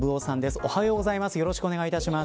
おはようございます。